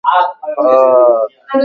Un parenostre per als qui van errats.